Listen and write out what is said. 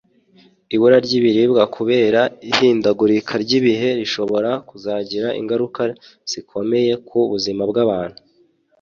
Ibura ry’ibiribwa kubera ihindagurika ry’ibihe rishobora kuzagira ingaruka zikomeye ku buzima bw’abantu